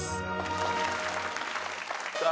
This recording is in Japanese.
さあ